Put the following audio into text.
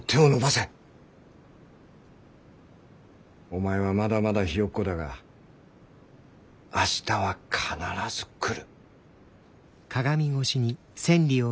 お前はまだまだひよっこだが明日は必ず来る。